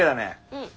うん。